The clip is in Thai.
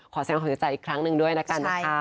ขอแสงขอบคุณใจอีกครั้งหนึ่งด้วยนะคะ